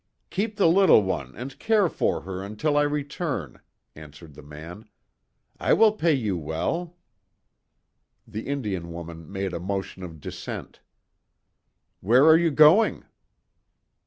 "Keep the little one and care for her until I return," answered the man, "I will pay you well." The Indian woman made a motion of dissent. "Where are you going?"